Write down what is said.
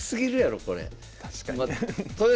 確かに。